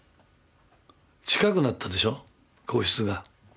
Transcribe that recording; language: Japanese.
近くなったでしょ皇室が。